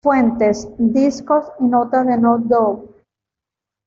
Fuentes: Discogs y notas de "No Doubt".